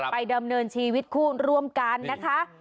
ดำเนินชีวิตคู่ร่วมกันนะคะ